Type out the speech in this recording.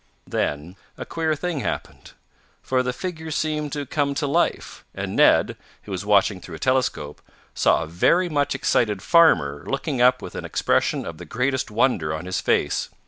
And then a queer thing happened. For the figure seemed to come to life, and Ned, who was watching through a telescope, saw a very much excited farmer looking up with an expression of the greatest wonder on his face.